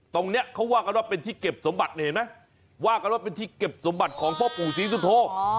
ตรงนี้เขาว่ากันว่าเป็นที่เก็บสมบัตินี่เห็นไหมว่ากันว่าเป็นที่เก็บสมบัติของพ่อปู่ศรีสุโธ